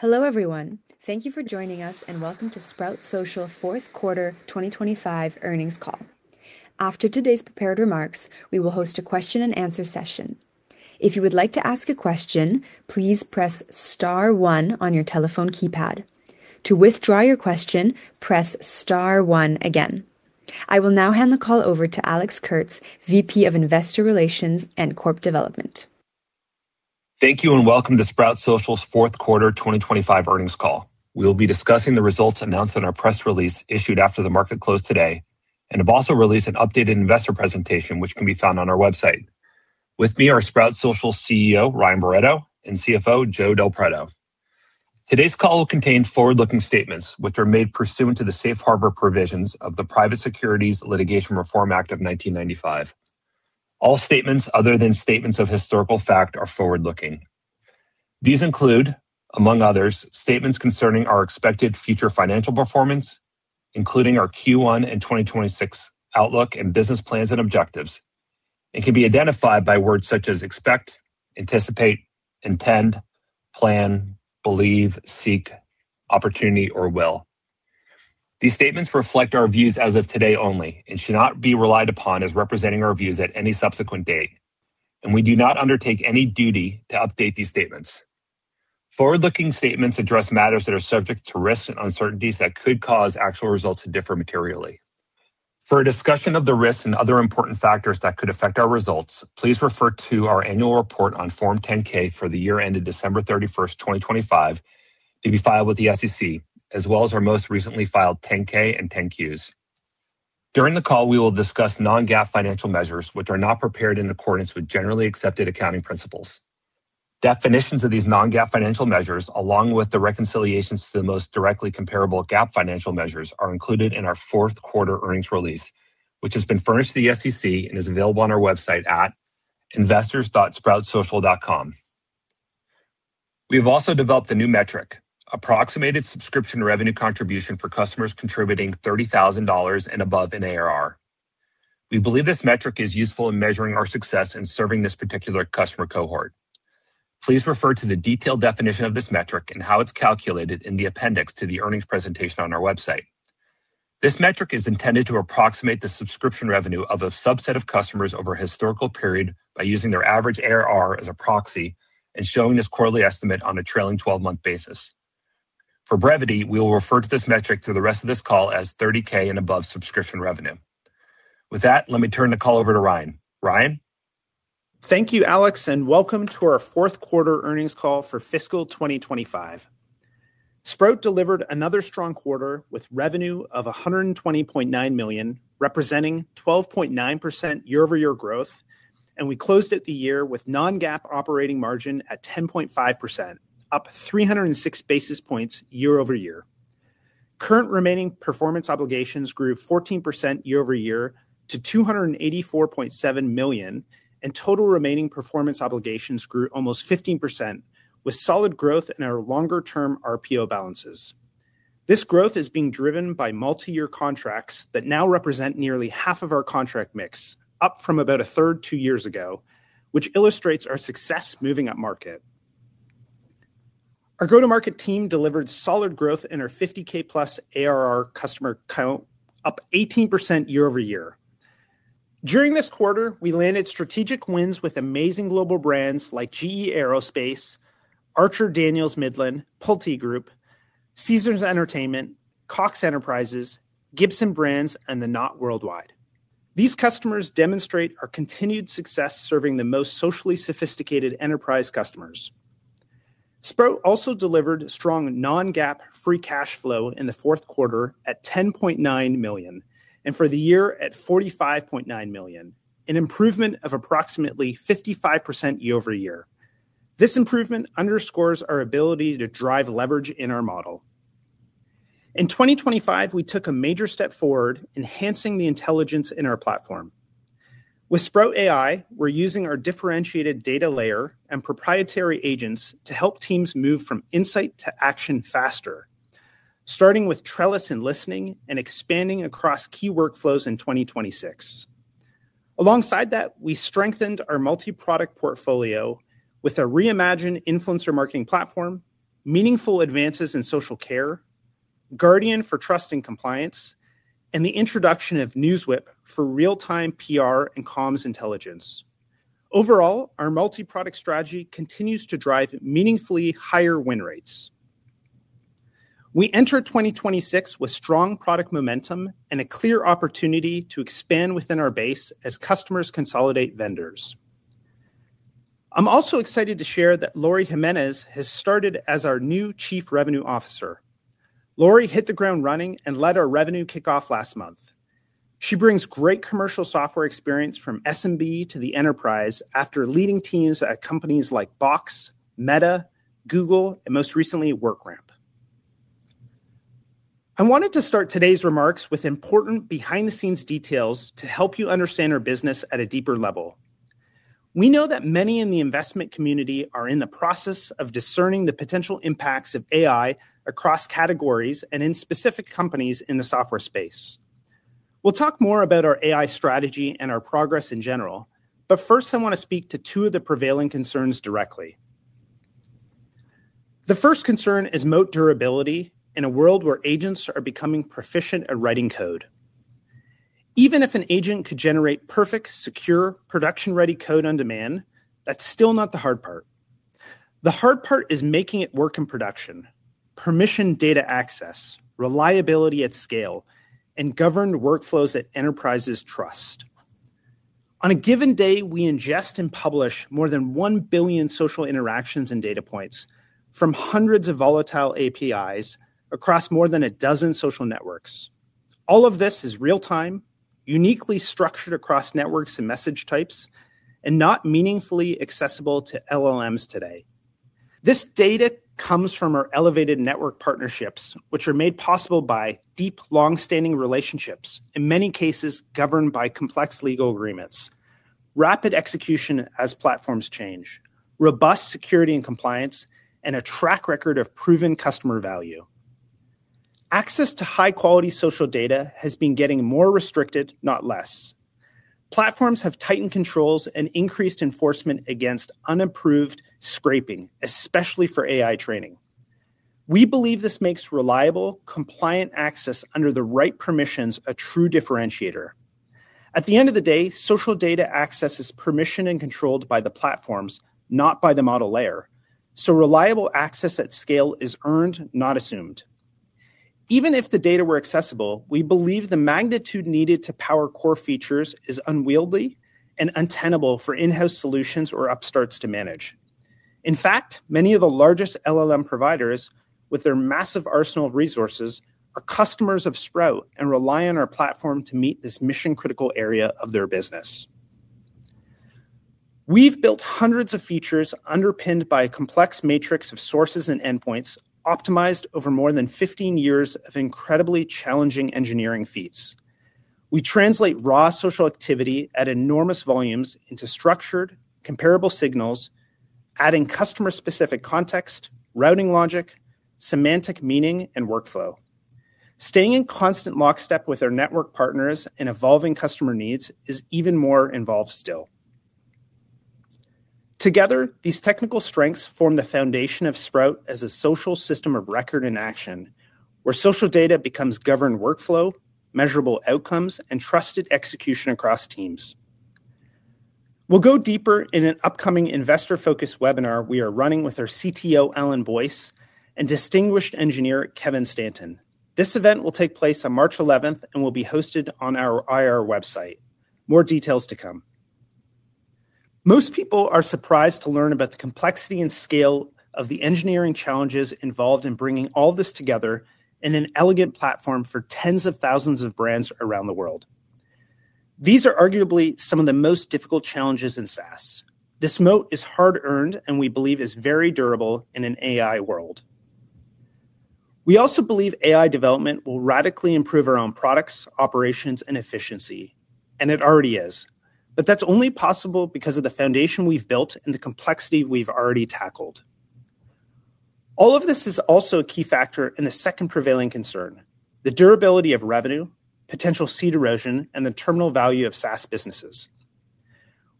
Hello everyone. Thank you for joining us and welcome to Sprout Social Q4 2025 earnings call. After today's prepared remarks, we will host a question and answer session. If you would like to ask a question, please press star one on your telephone keypad. To withdraw your question, press star one again. I will now hand the call over to Alex Kurtz, VP of Investor Relations and Corp. Development. Thank you. Welcome to Sprout Social's Q4 2025 earnings call. We'll be discussing the results announced in our press release issued after the market closed today, and have also released an updated investor presentation which can be found on our website. With me are Sprout Social CEO, Ryan Barretto, and CFO, Joe DelPreto. Today's call will contain forward-looking statements which are made pursuant to the safe harbor provisions of the Private Securities Litigation Reform Act of 1995. All statements other than statements of historical fact are forward-looking. These include, among others, statements concerning our expected future financial performance, including our Q1 and 2026 outlook and business plans and objectives, and can be identified by words such as expect, anticipate, intend, plan, believe, seek, opportunity, or will. These statements reflect our views as of today only and should not be relied upon as representing our views at any subsequent date, and we do not undertake any duty to update these statements. Forward-looking statements address matters that are subject to risks and uncertainties that could cause actual results to differ materially. For a discussion of the risks and other important factors that could affect our results, please refer to our annual report on Form 10-K for the year ended December 31st, 2025 to be filed with the SEC as well as our most recently filed 10-K and 10-Qs. During the call, we will discuss non-GAAP financial measures, which are not prepared in accordance with generally accepted accounting principles. Definitions of these non-GAAP financial measures, along with the reconciliations to the most directly comparable GAAP financial measures, are included in our Q4 earnings release, which has been furnished to the SEC and is available on our website at investors.sproutsocial.com. We have also developed a new metric, approximated subscription revenue contribution for customers contributing $30,000 and above in ARR. We believe this metric is useful in measuring our success in serving this particular customer cohort. Please refer to the detailed definition of this metric and how it's calculated in the appendix to the earnings presentation on our website. This metric is intended to approximate the subscription revenue of a subset of customers over a historical period by using their average ARR as a proxy and showing this quarterly estimate on a trailing twelve-month basis. For brevity, we will refer to this metric through the rest of this call as $30K and above subscription revenue. With that, let me turn the call over to Ryan. Ryan. Thank you, Alex, and welcome to our Q4 earnings call for fiscal 2025. Sprout delivered another strong quarter with revenue of $120.9 million, representing 12.9% year-over-year growth. We closed out the year with non-GAAP operating margin at 10.5%, up 306 basis points year-over-year. Current remaining performance obligations grew 14% year-over-year to $284.7 million, and total remaining performance obligations grew almost 15% with solid growth in our longer-term RPO balances. This growth is being driven by multi-year contracts that now represent nearly half of our contract mix, up from about a third two years ago, which illustrates our success moving upmarket. Our go-to-market team delivered solid growth in our 50K+ ARR customer count, up 18% year-over-year. During this quarter, we landed strategic wins with amazing global brands like GE Aerospace, Archer-Daniels-Midland, PulteGroup, Caesars Entertainment, Cox Enterprises, Gibson Brands, and The Knot Worldwide. These customers demonstrate our continued success serving the most socially sophisticated enterprise customers. Sprout also delivered strong non-GAAP free cash flow in the Q4 at $10.9 million and for the year at $45.9 million, an improvement of approximately 55% year-over-year. This improvement underscores our ability to drive leverage in our model. In 2025, we took a major step forward enhancing the intelligence in our platform. With Sprout AI, we're using our differentiated data layer and proprietary agents to help teams move from insight to action faster, starting with Trellis and listening and expanding across key workflows in 2026. Alongside that, we strengthened our multi-product portfolio with a reimagined influencer marketing platform, meaningful advances in social care, Guardian for trust and compliance, and the introduction of NewsWhip for real-time PR and comms intelligence. Our multi-product strategy continues to drive meaningfully higher win rates. We enter 2026 with strong product momentum and a clear opportunity to expand within our base as customers consolidate vendors. I'm also excited to share that Lori Jiménez has started as our new Chief Revenue Officer. Lori hit the ground running and led our revenue kickoff last month. She brings great commercial software experience from SMB to the enterprise after leading teams at companies like Box, Meta, Google, and most recently at WorkRamp. I wanted to start today's remarks with important behind-the-scenes details to help you understand our business at a deeper level. We know that many in the investment community are in the process of discerning the potential impacts of AI across categories and in specific companies in the software space. We'll talk more about our AI strategy and our progress in general, but first I want to speak to two of the prevailing concerns directly. The first concern is moat durability in a world where agents are becoming proficient at writing code. Even if an agent could generate perfect, secure, production-ready code on demand, that's still not the hard part. The hard part is making it work in production, permission data access, reliability at scale, and governed workflows that enterprises trust. On a given day, we ingest and publish more than 1 billion social interactions and data points from hundreds of volatile APIs across more than a dozen social networks. All of this is real-time, uniquely structured across networks and message types, and not meaningfully accessible to LLMs today. This data comes from our elevated network partnerships, which are made possible by deep, long-standing relationships, in many cases governed by complex legal agreements, rapid execution as platforms change, robust security and compliance, and a track record of proven customer value. Access to high-quality social data has been getting more restricted, not less. Platforms have tightened controls and increased enforcement against unapproved scraping, especially for AI training. We believe this makes reliable, compliant access under the right permissions a true differentiator. At the end of the day, social data access is permissioned and controlled by the platforms, not by the model layer, so reliable access at scale is earned, not assumed. Even if the data were accessible, we believe the magnitude needed to power core features is unwieldy and untenable for in-house solutions or upstarts to manage. Many of the largest LLM providers, with their massive arsenal of resources, are customers of Sprout and rely on our platform to meet this mission-critical area of their business. We've built hundreds of features underpinned by a complex matrix of sources and endpoints optimized over more than 15 years of incredibly challenging engineering feats. We translate raw social activity at enormous volumes into structured, comparable signals, adding customer-specific context, routing logic, semantic meaning, and workflow. Staying in constant lockstep with our network partners and evolving customer needs is even more involved still. These technical strengths form the foundation of Sprout as a social system of record and action, where social data becomes governed workflow, measurable outcomes, and trusted execution across teams. We'll go deeper in an upcoming investor-focused webinar we are running with our CTO, Alan Boyce, and Distinguished Engineer, Kevin Stanton. This event will take place on March 11th and will be hosted on our IR website. More details to come. Most people are surprised to learn about the complexity and scale of the engineering challenges involved in bringing all this together in an elegant platform for tens of thousands of brands around the world. These are arguably some of the most difficult challenges in SaaS. This moat is hard-earned, and we believe is very durable in an AI world. We also believe AI development will radically improve our own products, operations, and efficiency, and it already is. That's only possible because of the foundation we've built and the complexity we've already tackled. All of this is also a key factor in the second prevailing concern, the durability of revenue, potential seed erosion, and the terminal value of SaaS businesses.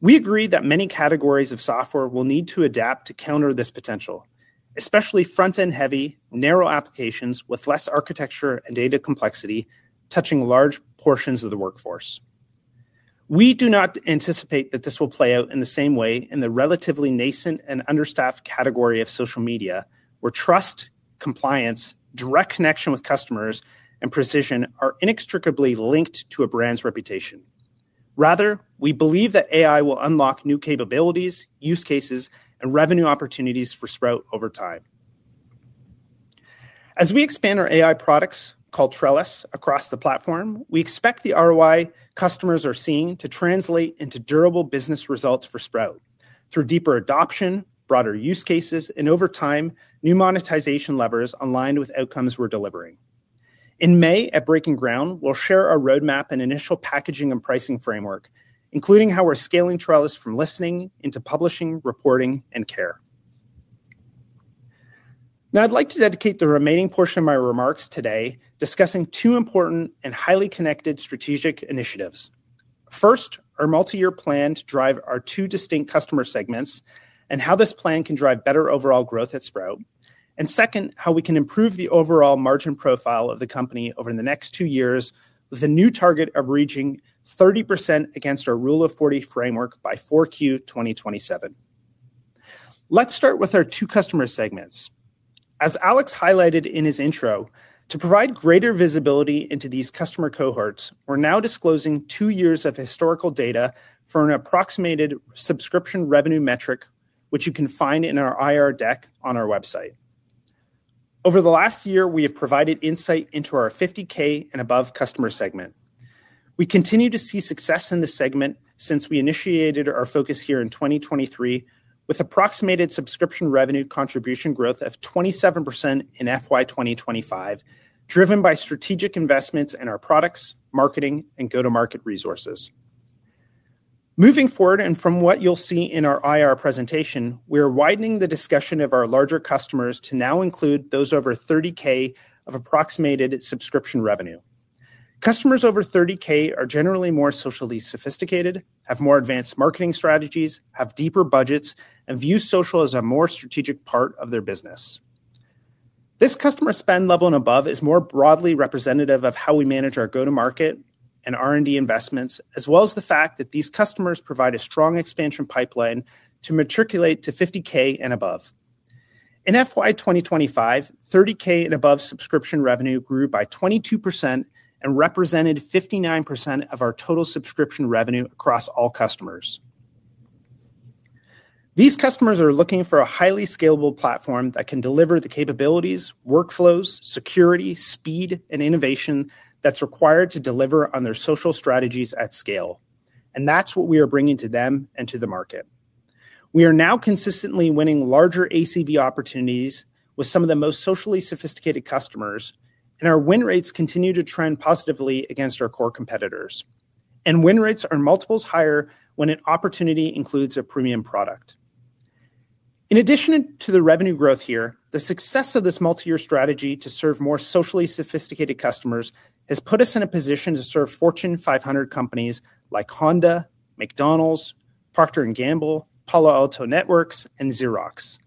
We agree that many categories of software will need to adapt to counter this potential, especially front-end heavy, narrow applications with less architecture and data complexity touching large portions of the workforce. We do not anticipate that this will play out in the same way in the relatively nascent and understaffed category of social media, where trust, compliance, direct connection with customers, and precision are inextricably linked to a brand's reputation. Rather, we believe that AI will unlock new capabilities, use cases, and revenue opportunities for Sprout over time. As we expand our AI products, called Trellis, across the platform, we expect the ROI customers are seeing to translate into durable business results for Sprout Social through deeper adoption, broader use cases, and over time, new monetization levers aligned with outcomes we're delivering. In May, at Breaking Ground, we'll share our roadmap and initial packaging and pricing framework, including how we're scaling Trellis from listening into publishing, reporting, and care. I'd like to dedicate the remaining portion of my remarks today discussing two important and highly connected strategic initiatives. First, our multi-year plan to drive our two distinct customer segments and how this plan can drive better overall growth at Sprout Social. Second, how we can improve the overall margin profile of the company over the next two years with a new target of reaching 30% against our Rule of 40 framework by 4Q 2027. Let's start with our 2 customer segments. As Alex highlighted in his intro, to provide greater visibility into these customer cohorts, we're now disclosing 2 years of historical data for an approximated subscription revenue metric, which you can find in our IR deck on our website. Over the last year, we have provided insight into our 50K and above customer segment. We continue to see success in this segment since we initiated our focus here in 2023 with approximated subscription revenue contribution growth of 27% in FY 2025, driven by strategic investments in our products, marketing, and go-to-market resources. Moving forward, from what you'll see in our IR presentation, we are widening the discussion of our larger customers to now include those over 30K of approximated subscription revenue. Customers over $30K are generally more socially sophisticated, have more advanced marketing strategies, have deeper budgets, and view social as a more strategic part of their business. This customer spend level and above is more broadly representative of how we manage our go-to-market and R&D investments, as well as the fact that these customers provide a strong expansion pipeline to matriculate to $50K and above. In FY 2025, $30K and above subscription revenue grew by 22% and represented 59% of our total subscription revenue across all customers. These customers are looking for a highly scalable platform that can deliver the capabilities, workflows, security, speed, and innovation that's required to deliver on their social strategies at scale. That's what we are bringing to them and to the market. We are now consistently winning larger ACV opportunities with some of the most socially sophisticated customers. Our win rates continue to trend positively against our core competitors. Win rates are multiples higher when an opportunity includes a premium product. In addition to the revenue growth here, the success of this multi-year strategy to serve more socially sophisticated customers has put us in a position to serve Fortune 500 companies like Honda, McDonald's, Procter & Gamble, Palo Alto Networks, and Xerox.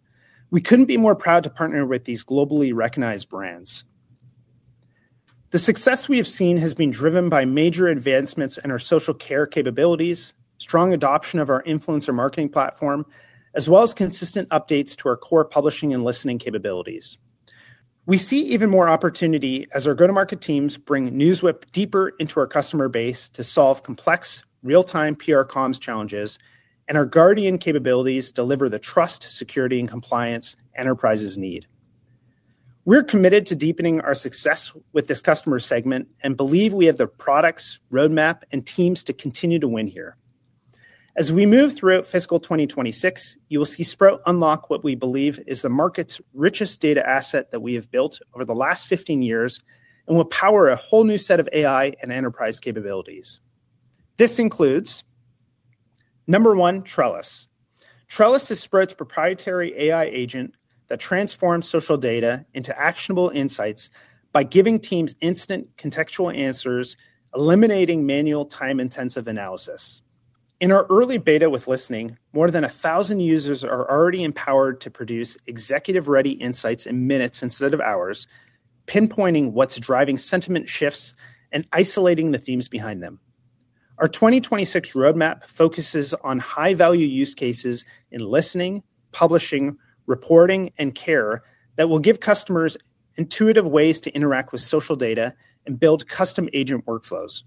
We couldn't be more proud to partner with these globally recognized brands. The success we have seen has been driven by major advancements in our social care capabilities, strong adoption of our influencer marketing platform, as well as consistent updates to our core publishing and listening capabilities. We see even more opportunity as our go-to-market teams bring NewsWhip deeper into our customer base to solve complex real-time PR comms challenges. Our Guardian capabilities deliver the trust, security, and compliance enterprises need. We're committed to deepening our success with this customer segment and believe we have the products, roadmap, and teams to continue to win here. As we move throughout fiscal 2026, you will see Sprout unlock what we believe is the market's richest data asset that we have built over the last 15 years and will power a whole new set of AI and enterprise capabilities. This includes, number 1, Trellis. Trellis is Sprout's proprietary AI agent that transforms social data into actionable insights by giving teams instant contextual answers, eliminating manual time-intensive analysis. In our early beta with Listening, more than 1,000 users are already empowered to produce executive-ready insights in minutes instead of hours, pinpointing what's driving sentiment shifts and isolating the themes behind them. Our 2026 roadmap focuses on high-value use cases in Listening, publishing, reporting, and care that will give customers intuitive ways to interact with social data and build custom agent workflows.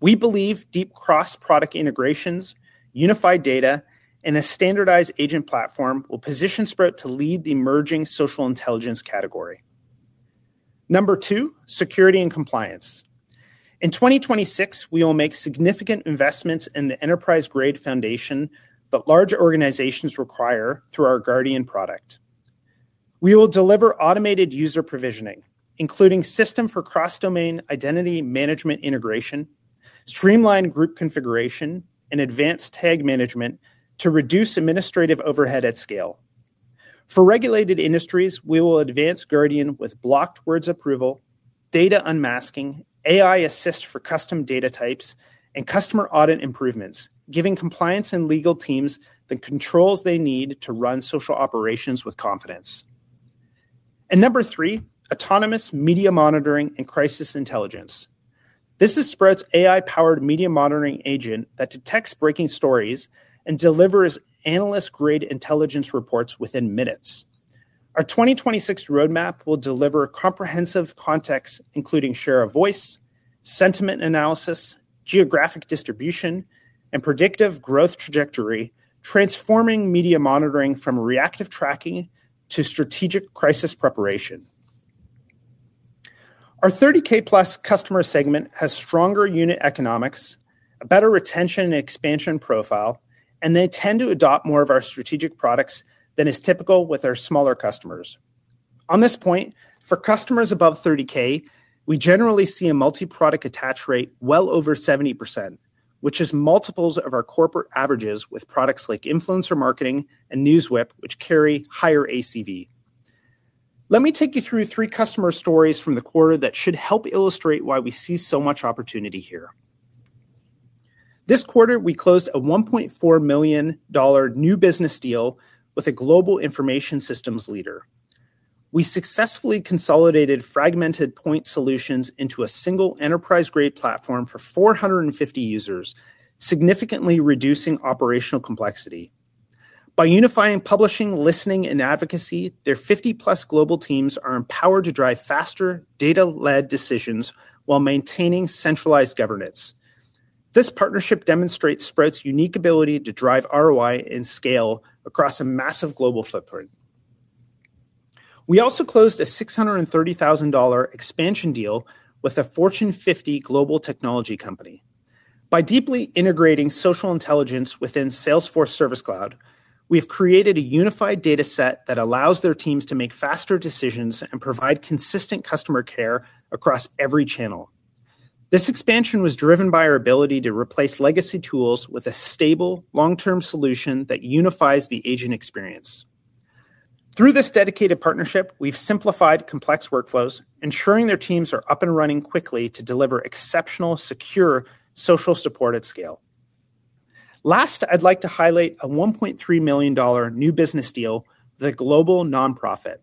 We believe deep cross-product integrations, unified data, and a standardized agent platform will position Sprout Social to lead the emerging Social Intelligence Category. Number 2, security and compliance. In 2026, we will make significant investments in the enterprise-grade foundation that large organizations require through our Guardian product. We will deliver automated user provisioning, including system for cross-domain identity management integration, streamlined group configuration, and advanced tag management to reduce administrative overhead at scale. For regulated industries, we will advance Guardian with blocked words approval, data unmasking, AI Assist for custom data types, and customer audit improvements, giving compliance and legal teams the controls they need to run social operations with confidence. Number three, autonomous media monitoring and crisis intelligence. This is Sprout's AI-powered media monitoring agent that detects breaking stories and delivers analyst-grade intelligence reports within minutes. Our 2026 roadmap will deliver comprehensive context, including share of voice, sentiment analysis, geographic distribution, and predictive growth trajectory, transforming media monitoring from reactive tracking to strategic crisis preparation. Our 30K+ customer segment has stronger unit economics, a better retention and expansion profile, and they tend to adopt more of our strategic products than is typical with our smaller customers. On this point, for customers above 30K, we generally see a Multi-Product Aattach Rate well over 70%, which is multiples of our corporate averages with products like Influencer Marketing and NewsWhip, which carry higher ACV. Let me take you through three customer stories from the quarter that should help illustrate why we see so much opportunity here. This quarter, we closed a $1.4 million new business deal with a global information systems leader. We successfully consolidated fragmented point solutions into a single enterprise-grade platform for 450 users, significantly reducing operational complexity. By unifying, publishing, listening, and advocacy, their 50-plus global teams are empowered to drive faster data-led decisions while maintaining centralized governance. This partnership demonstrates Sprout's unique ability to drive ROI and scale across a massive global footprint. We also closed a $630,000 expansion deal with a Fortune 50 global technology company. By deeply integrating social intelligence within Salesforce Service Cloud, we've created a unified data set that allows their teams to make faster decisions and provide consistent customer care across every channel. This expansion was driven by our ability to replace legacy tools with a stable, long-term solution that unifies the agent experience. Through this dedicated partnership, we've simplified complex workflows, ensuring their teams are up and running quickly to deliver exceptional, secure social support at scale. Last, I'd like to highlight a $1.3 million new business deal with a global nonprofit.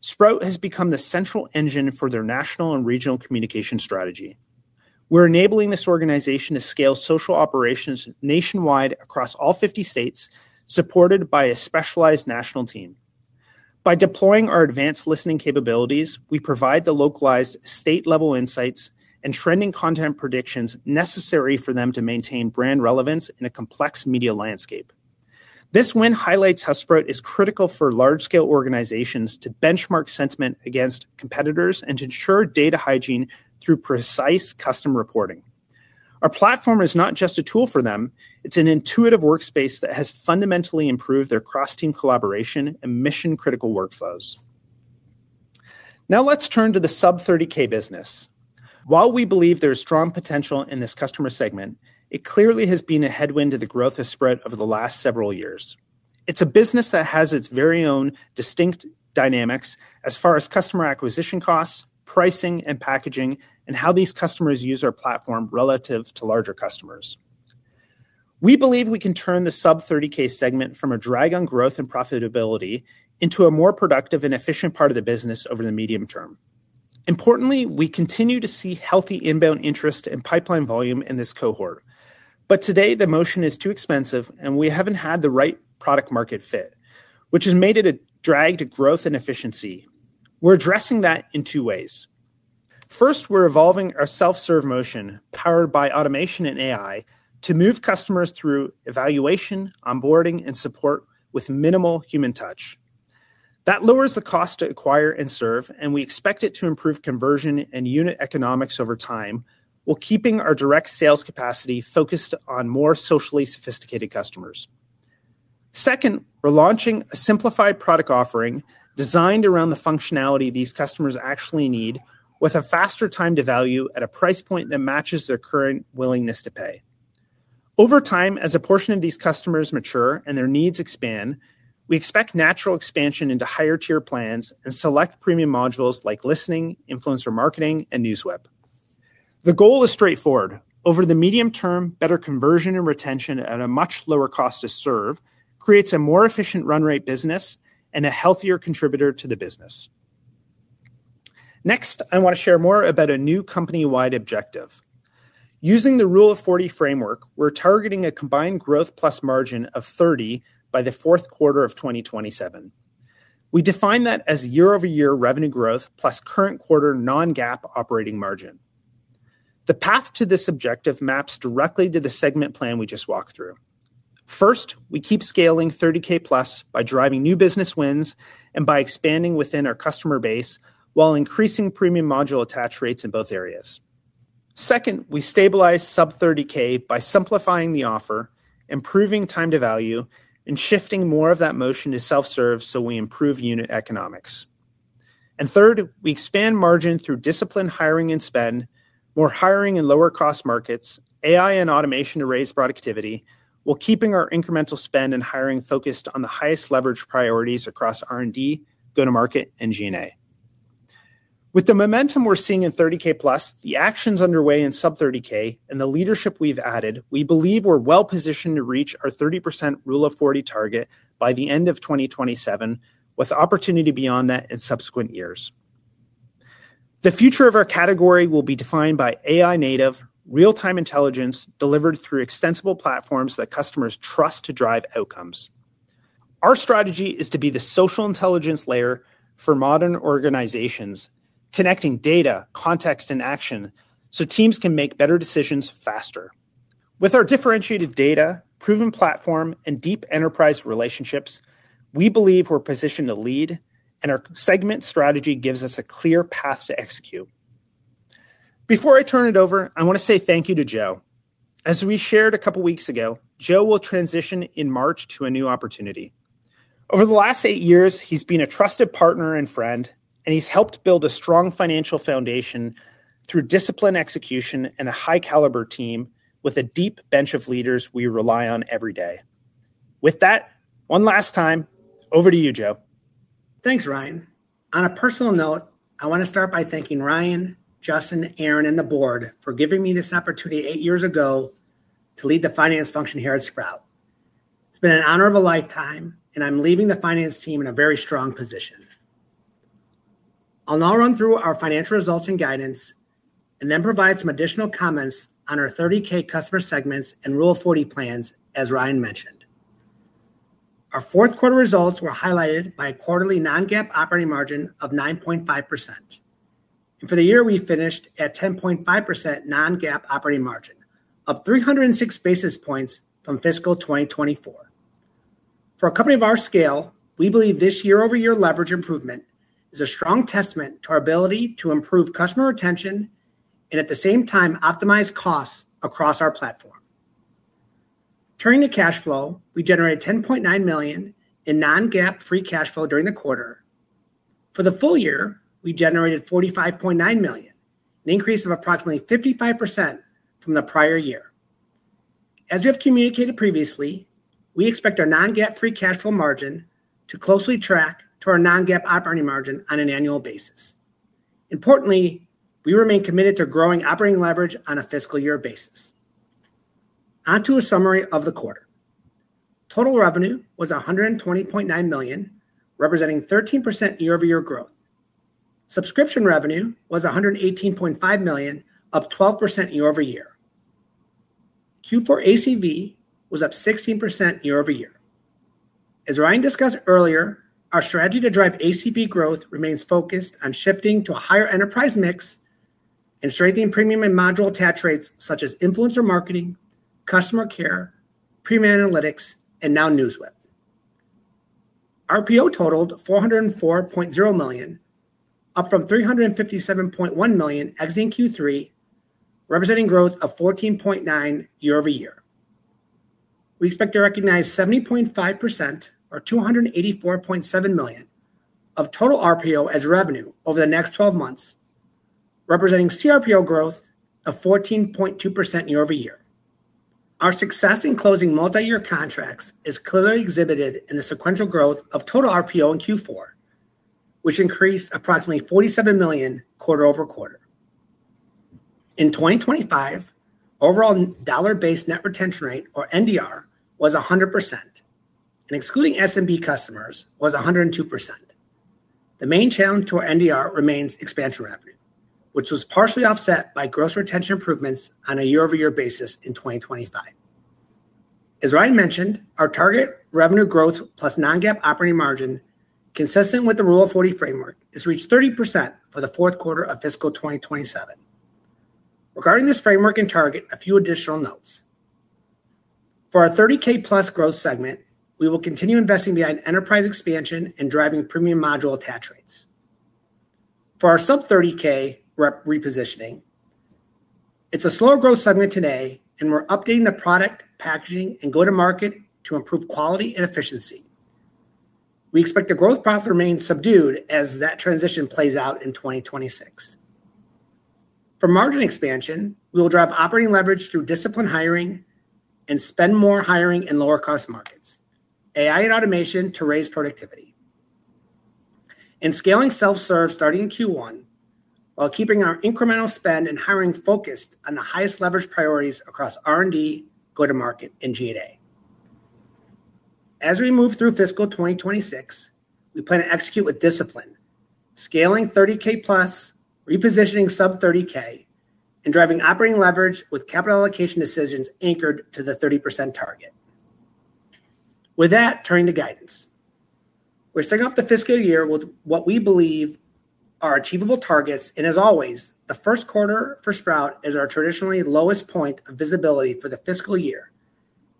Sprout has become the central engine for their national and regional communication strategy. We're enabling this organization to scale social operations nationwide across all 50 states, supported by a specialized national team. By deploying our advanced listening capabilities, we provide the localized state-level insights and trending content predictions necessary for them to maintain brand relevance in a complex media landscape. This win highlights how Sprout is critical for large-scale organizations to benchmark sentiment against competitors and to ensure data hygiene through precise custom reporting. Our platform is not just a tool for them, it's an intuitive workspace that has fundamentally improved their cross-team collaboration and mission-critical workflows. Now let's turn to the sub-30K business. While we believe there is strong potential in this customer segment, it clearly has been a headwind to the growth of Sprout over the last several years. It's a business that has its very own distinct dynamics as far as customer acquisition costs, pricing, and packaging, and how these customers use our platform relative to larger customers. We believe we can turn the sub 30K segment from a drag on growth and profitability into a more productive and efficient part of the business over the medium term. Importantly, we continue to see healthy inbound interest and pipeline volume in this cohort. Today the motion is too expensive, and we haven't had the right product market fit, which has made it a drag to growth and efficiency. We're addressing that in two ways. First, we're evolving our Self-Serve Motion, powered by automation and AI, to move customers through evaluation, onboarding, and support with minimal human touch. That lowers the cost to acquire and serve, and we expect it to improve conversion and unit economics over time while keeping our direct sales capacity focused on more socially sophisticated customers. Second, we're launching a simplified product offering designed around the functionality these customers actually need with a faster time to value at a price point that matches their current willingness to pay. Over time, as a portion of these customers mature and their needs expand, we expect natural expansion into higher-tier plans and select Premium Modules like listening, influencer marketing, and NewsWhip. The goal is straightforward. Over the medium term, better conversion and retention at a much lower cost to serve creates a more efficient run rate business and a healthier contributor to the business. I want to share more about a new company-wide objective. Using the Rule of 40 framework, we're targeting a combined growth plus margin of 30% by the Q4 of 2027. We define that as year-over-year revenue growth plus current quarter non-GAAP operating margin. The path to this objective maps directly to the segment plan we just walked through. First, we keep scaling 30K+ by driving new business wins and by expanding within our customer base while increasing premium module attach rates in both areas. Second, we stabilize sub 30K by simplifying the offer, improving time to value, and shifting more of that motion to self-serve so we improve unit economics. Third, we expand margin through disciplined hiring and spend, more hiring in lower cost markets, AI and automation to raise productivity, while keeping our incremental spend and hiring focused on the highest leverage priorities across R&D, go-to-market, and G&A. With the momentum we're seeing in 30K+, the actions underway in sub 30K, and the leadership we've added, we believe we're well-positioned to reach our 30% Rule of 40 target by the end of 2027, with opportunity beyond that in subsequent years. The future of our category will be defined by AI-Native, Real-Time Intelligence delivered through extensible platforms that customers trust to drive outcomes. Our strategy is to be the social intelligence layer for modern organizations, connecting data, context, and action so teams can make better decisions faster. Before I turn it over, I want to say thank you to Joe. As we shared a couple weeks ago, Joe will transition in March to a new opportunity. Over the last eight years, he's been a trusted partner and friend, and he's helped build a strong financial foundation through disciplined execution and a high-caliber team with a deep bench of leaders we rely on every day. With that, one last time, over to you, Joe. Thanks, Ryan. On a personal note, I want to start by thanking Ryan, Justin, Aaron, and the board for giving me this opportunity eight years ago to lead the finance function here at Sprout. It's been an honor of a lifetime, and I'm leaving the finance team in a very strong position. I'll now run through our financial results and guidance and then provide some additional comments on our 30K customer segments and Rule of 40 plans, as Ryan mentioned. Our Q4 results were highlighted by a quarterly non-GAAP operating margin of 9.5%. For the year, we finished at 10.5% non-GAAP operating margin, up 306 basis points from fiscal 2024. For a company of our scale, we believe this year-over-year leverage improvement is a strong testament to our ability to improve customer retention. At the same time, optimize costs across our platform. Turning to cash flow, we generated $10.9 million in non-GAAP free cash flow during the quarter. For the full year, we generated $45.9 million, an increase of approximately 55% from the prior year. As we have communicated previously, we expect our non-GAAP free cash flow margin to closely track to our non-GAAP operating margin on an annual basis. Importantly, we remain committed to growing operating leverage on a fiscal year basis. On to a summary of the quarter. Total revenue was $120.9 million, representing 13% year-over-year growth. Subscription revenue was $118.5 million, up 12% year-over-year. Q4 ACV was up 16% year-over-year. As Ryan discussed earlier, our strategy to drive ACV growth remains focused on shifting to a higher enterprise mix and strengthening premium and module attach rates such as influencer marketing, customer care, premium analytics, and now NewsWhip. RPO totaled $404.0 million, up from $357.1 million exiting Q3, representing growth of 14.9% year-over-year. We expect to recognize 70.5% or $284.7 million of total RPO as revenue over the next 12 months, representing CRPO growth of 14.2% year-over-year. Our success in closing multi-year contracts is clearly exhibited in the sequential growth of total RPO in Q4, which increased approximately $47 million quarter-over-quarter. In 2025, overall dollar-based net retention rate, or NDR, was 100%, and excluding SMB customers was 102%. The main challenge to our NDR remains expansion revenue, which was partially offset by gross retention improvements on a year-over-year basis in 2025. As Ryan mentioned, our target revenue growth plus non-GAAP operating margin, consistent with the Rule of 40 framework, is reached 30% for the Q4 of fiscal 2027. Regarding this framework and target, a few additional notes. For our 30K-plus growth segment, we will continue investing behind enterprise expansion and driving premium module attach rates. For our sub-30K rep repositioning, it's a slow growth segment today, and we're updating the product, packaging, and go-to-market to improve quality and efficiency. We expect the growth path to remain subdued as that transition plays out in 2026. For margin expansion, we will drive operating leverage through disciplined hiring and spend more hiring in lower cost markets, AI and automation to raise productivity. In scaling self-serve starting in Q1, while keeping our incremental spend and hiring focused on the highest leverage priorities across R&D, go-to-market, and G&A. As we move through fiscal 2026, we plan to execute with discipline, scaling 30K+, repositioning sub-30K, and driving operating leverage with capital allocation decisions anchored to the 30% target. With that, turning to guidance. We're starting off the fiscal year with what we believe are achievable targets, and as always, the Q1 for Sprout Social is our traditionally lowest point of visibility for the fiscal year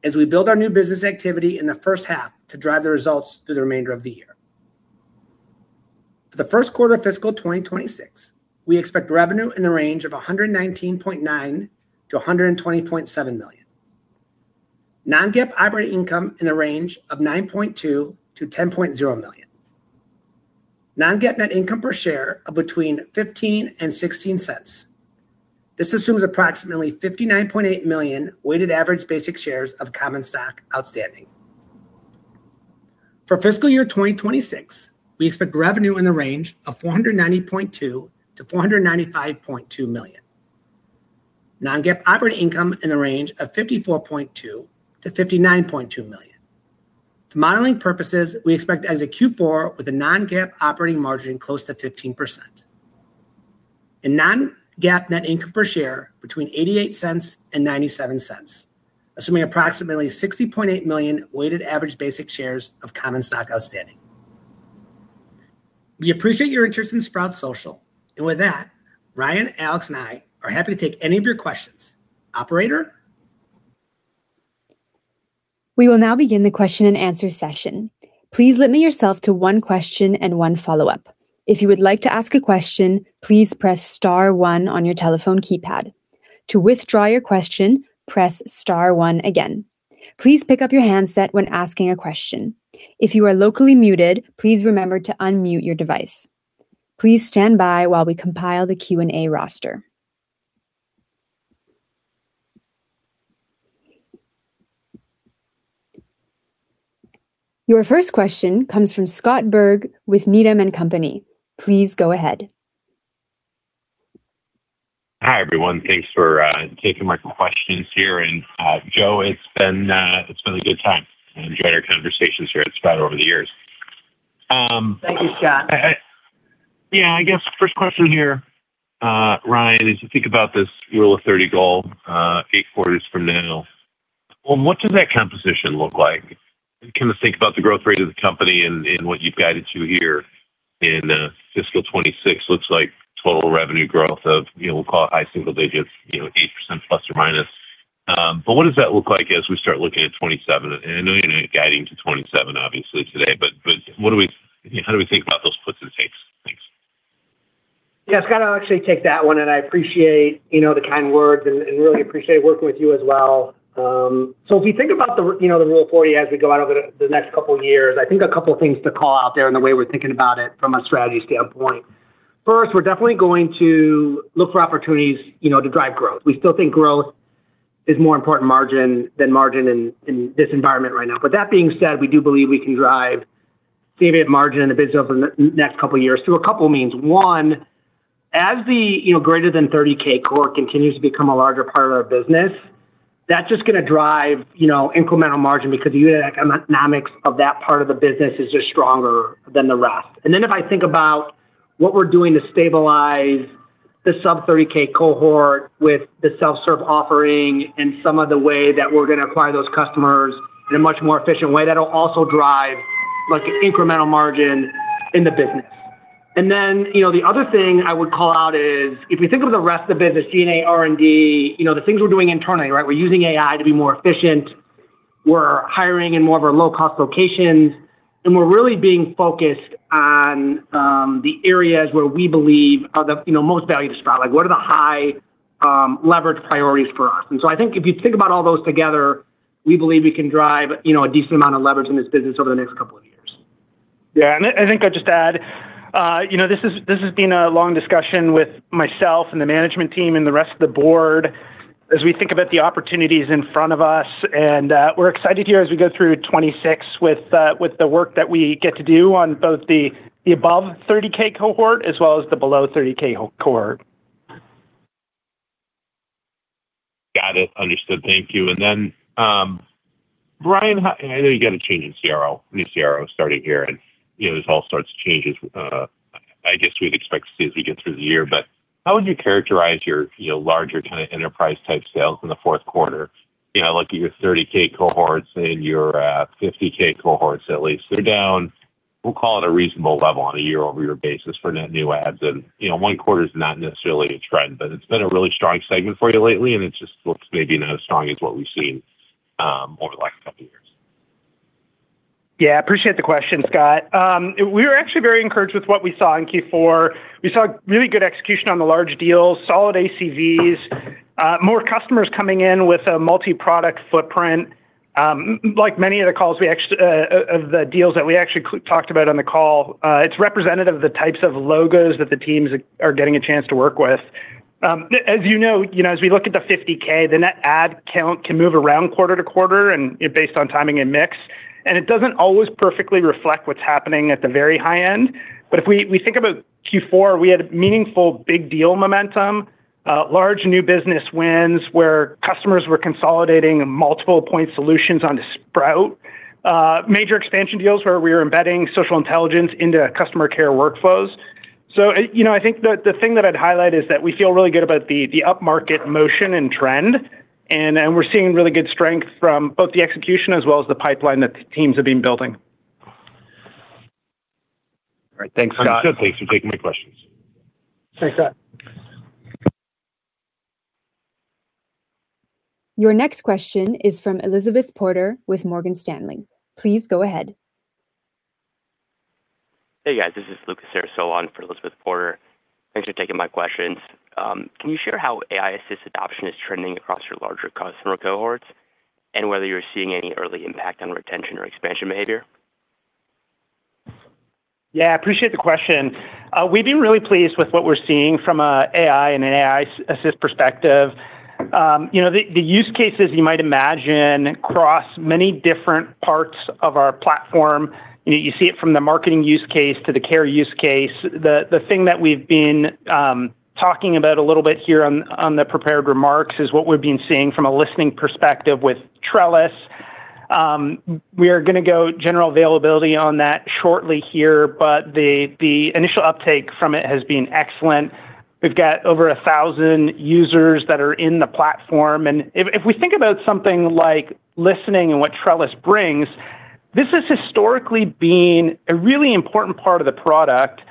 as we build our new business activity in the 1st half to drive the results through the remainder of the year. For the Q1 of fiscal 2026, we expect revenue in the range of $119.9 million-$120.7 million. Non-GAAP operating income in the range of $9.2 million-$10.0 million. Non-GAAP net income per share of between $0.15 and $0.16. This assumes approximately 59.8 million weighted average basic shares of common stock outstanding. For fiscal year 2026, we expect revenue in the range of $490.2 million-$495.2 million. Non-GAAP operating income in the range of $54.2 million-$59.2 million. For modeling purposes, we expect as a Q4 with a non-GAAP operating margin close to 15%. A non-GAAP net income per share between $0.88 and $0.97, assuming approximately 60.8 million weighted average basic shares of common stock outstanding. We appreciate your interest in Sprout Social. With that, Ryan, Alex, and I are happy to take any of your questions. Operator? We will now begin the question and answer session. Please limit yourself to one question and one follow-up. If you would like to ask a question, please press star one on your telephone keypad. To withdraw your question, press star one again. Please pick up your handset when asking a question. If you are locally muted, please remember to unmute your device. Please stand by while we compile the Q&A roster. Your first question comes from Scott Berg with Needham & Company. Please go ahead. Hi, everyone. Thanks for taking my questions here. Joe, it's been a good time. I enjoyed our conversations here at Sprout over the years. Thank you, Scott. Yeah, I guess first question here. Ryan, as you think about this Rule of 40 goal, 8 quarters from now, what does that composition look like? Kind of think about the growth rate of the company and what you've guided to here in fiscal 2026. Looks like total revenue growth of, you know, we'll call it high single digits, you know, 8% plus or minus. What does that look like as we start looking at 2027? I know you're not guiding to 2027 obviously today, but how do we think about those puts and takes? Thanks. Yeah, Scott, I'll actually take that one, and I appreciate, you know, the kind words and really appreciate working with you as well. If you think about the, you know, the Rule of 40 as we go out over the next couple of years, I think a couple of things to call out there in the way we're thinking about it from a strategy standpoint. First, we're definitely going to look for opportunities, you know, to drive growth. We still think growth is more important margin than margin in this environment right now. That being said, we do believe we can drive stated margin in the business over the next couple of years through a couple means. One, as the, you know, greater than 30K core continues to become a larger part of our business, that's just gonna drive, you know, incremental margin because the economics of that part of the business is just stronger than the rest. If I think about what we're doing to stabilize the sub 30K cohort with the self-serve offering and some of the way that we're gonna acquire those customers in a much more efficient way, that'll also drive like an incremental margin in the business. You know, the other thing I would call out is, if you think of the rest of the business, G&A, R&D, you know, the things we're doing internally, right? We're using AI to be more efficient, we're hiring in more of our low-cost locations, and we're really being focused on the areas where we believe are the, you know, most value to Sprout. Like, what are the high leverage priorities for us? I think if you think about all those together, we believe we can drive, you know, a decent amount of leverage in this business over the next couple of years. Yeah, I think I'd just add, you know, this has been a long discussion with myself and the management team and the rest of the board as we think about the opportunities in front of us, and, we're excited here as we go through 2026 with the work that we get to do on both the above 30K cohort as well as the below 30K cohort. Got it. Understood. Thank you. Brian, I know you got a change in CRO, new CRO starting here, and, you know, there's all sorts of changes, I guess we'd expect to see as we get through the year. How would you characterize your, you know, larger kind of enterprise-type sales in the Q4? You know, like your 30K cohorts and your 50K cohorts, at least. They're down, we'll call it a reasonable level on a year-over-year basis for net new ads. You know, one quarter is not necessarily a trend, but it's been a really strong segment for you lately, and it just looks maybe not as strong as what we've seen over the last couple of years. Yeah. Appreciate the question, Scott. We were actually very encouraged with what we saw in Q4. We saw really good execution on the large deals, solid ACVs, more customers coming in with a multi-product footprint. Like many of the calls, we actually of the deals that we actually talked about on the call, it's representative of the types of logos that the teams are getting a chance to work with. As you know, you know, as we look at the 50K, the net add count can move around quarter to quarter, and based on timing and mix, and it doesn't always perfectly reflect what's happening at the very high end. If we think about Q4, we had meaningful big deal momentum, large new business wins, where customers were consolidating multiple point solutions onto Sprout, major expansion deals where we are embedding social intelligence into customer care workflows. You know, I think the thing that I'd highlight is that we feel really good about the upmarket motion and trend, and we're seeing really good strength from both the execution as well as the pipeline that the teams have been building. All right. Thanks, Scott. Thanks. Thanks for taking my questions. Thanks, Scott. Your next question is from Elizabeth Porter with Morgan Stanley. Please go ahead. Hey, guys. This is Lucas Saraceno in for Elizabeth Porter. Thanks for taking my questions. Can you share how AI Assist adoption is trending across your larger customer cohorts and whether you're seeing any early impact on retention or expansion behavior? I appreciate the question. We've been really pleased with what we're seeing from a AI and an AI Assist perspective. You know, the use cases you might imagine across many different parts of our platform, you know, you see it from the marketing use case to the care use case. The thing that we've been talking about a little bit here on the prepared remarks is what we've been seeing from a listening perspective with Trellis. We are gonna go general availability on that shortly here, but the initial uptake from it has been excellent. We've got over 1,000 users that are in the platform. If we think about something like listening and what Trellis brings, this has historically been a really important part of the product,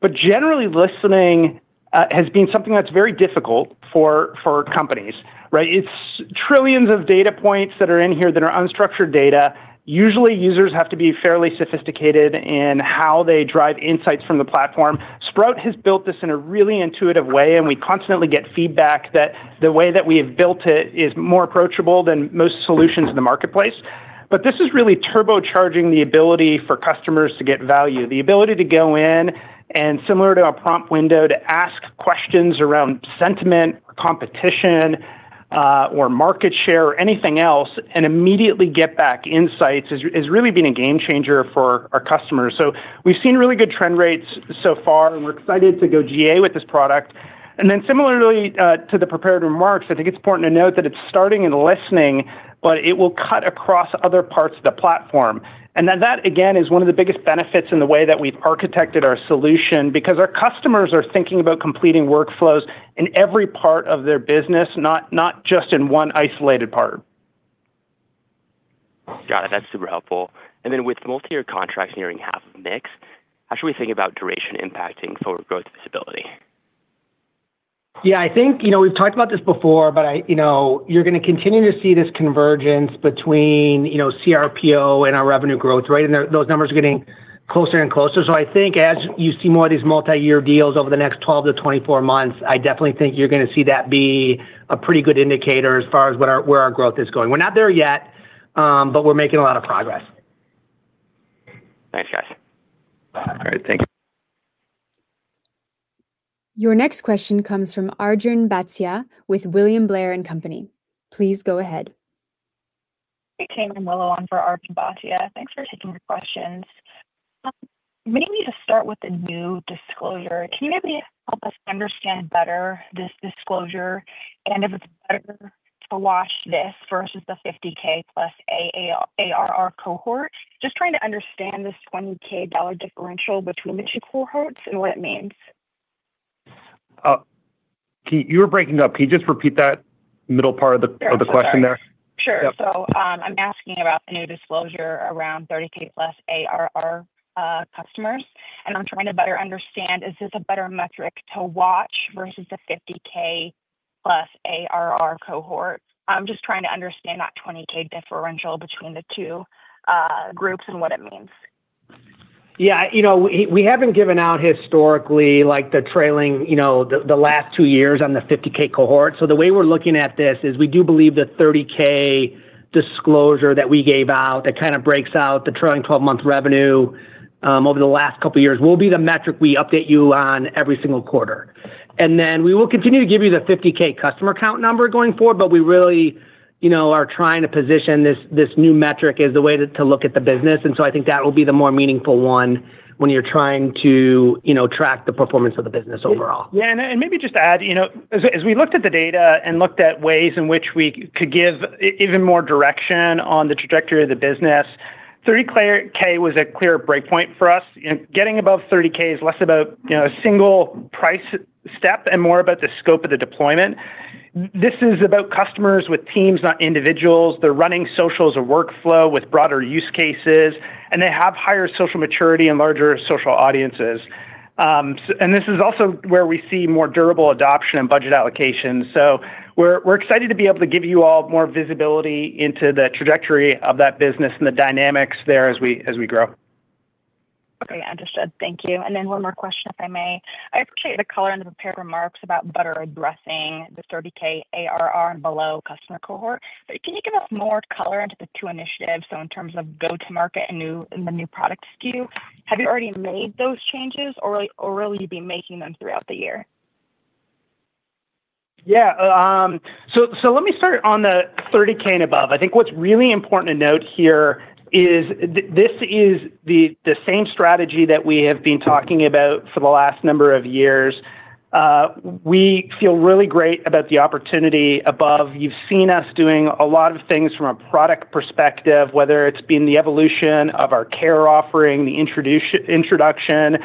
but generally listening has been something that's very difficult for companies, right? It's trillions of data points that are in here that are unstructured data. Usually, users have to be fairly sophisticated in how they drive insights from the platform. Sprout has built this in a really intuitive way, and we constantly get feedback that the way that we have built it is more approachable than most solutions in the marketplace. This is really turbocharging the ability for customers to get value. The ability to go in, and similar to a prompt window, to ask questions around sentiment, competition, or market share or anything else and immediately get back insights has really been a game changer for our customers. We've seen really good trend rates so far, and we're excited to go GA with this product. Similarly, to the prepared remarks, I think it's important to note that it's starting in listening, but it will cut across other parts of the platform. That, again, is one of the biggest benefits in the way that we've architected our solution, because our customers are thinking about completing workflows in every part of their business, not just in one isolated part. Got it. That's super helpful. With multi-year contracts nearing half of mix, how should we think about duration impacting forward growth visibility? Yeah, I think, you know, we've talked about this before, but you know, you're gonna continue to see this convergence between, you know, CRPO and our revenue growth, right? Those numbers are getting closer and closer. I think as you see more of these multi-year deals over the next 12 to 24 months, I definitely think you're gonna see that be a pretty good indicator as far as where our growth is going. We're not there yet, but we're making a lot of progress. Thanks, guys. All right. Thank you. Your next question comes from Arjun Bhatia with William Blair & Company. Please go ahead. Hey, team. I'm Willow on for Arjun Bhatia. Thanks for taking the questions. Maybe to start with the new disclosure, can you maybe help us understand better this disclosure and if it's better to watch this versus the $50k plus AA-ARR cohort? Just trying to understand this $20k differential between the two cohorts and what it means. You were breaking up. Can you just repeat that middle part of the question there? Sure. I'm asking about the new disclosure around 30K+ ARR customers, I'm trying to better understand, is this a better metric to watch versus the 50K+ ARR cohort? I'm just trying to understand that 20K differential between the two groups and what it means. Yeah. You know, we haven't given out historically like the trailing, you know, the last 2 years on the 50K cohort. The way we're looking at this is we do believe the 30K disclosure that we gave out that kind of breaks out the trailing 12-month revenue over the last couple of years will be the metric we update you on every single quarter. Then we will continue to give you the 50K customer count number going forward, but we really, you know, are trying to position this new metric as the way to look at the business. I think that will be the more meaningful one when you're trying to, you know, track the performance of the business overall. Yeah. Maybe just to add, you know, as we looked at the data and looked at ways in which we could give even more direction on the trajectory of the business, 30K was a clear breakpoint for us. Getting above 30K is less about, you know, a single price step and more about the scope of the deployment. This is about customers with teams, not individuals. They're running social as a workflow with broader use cases, and they have higher social maturity and larger social audiences. And this is also where we see more durable adoption and budget allocation. We're excited to be able to give you all more visibility into the trajectory of that business and the dynamics there as we grow. Okay. Understood. Thank you. One more question, if I may. I appreciate the color and the prepared remarks about better addressing the 30k ARR and below customer cohort. Can you give us more color into the two initiatives, so in terms of go-to-market and new, and the new product SKU? Have you already made those changes or will you be making them throughout the year? Yeah. Let me start on the 30K and above. I think what's really important to note here is this is the same strategy that we have been talking about for the last number of years. We feel really great about the opportunity above. You've seen us doing a lot of things from a product perspective, whether it's been the evolution of our care offering, the introduction